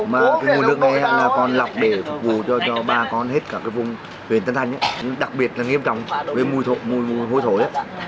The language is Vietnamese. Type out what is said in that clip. mà cái mùi nước này là con lọc để phục vụ cho ba con hết cả cái vùng huyện tân thành đặc biệt là nghiêm trọng với mùi hôi thối